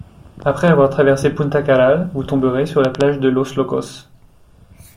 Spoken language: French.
Après avoir traversé Punta Carral vous tomberez sur la plage de Los Locos.